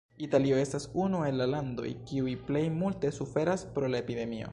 Italio estas unu el la landoj kiuj plej multe suferas pro la epidemio.